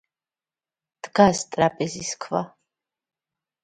დგას ტრაპეზის ქვა.